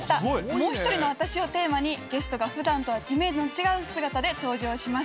「もうひとりのワタシ」をテーマにゲストが普段とはイメージの違う姿で登場します。